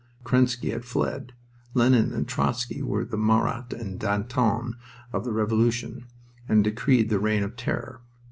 Kerensky had fled. Lenin and Trotzky were the Marat and Danton of the Revolution, and decreed the Reign of Terror.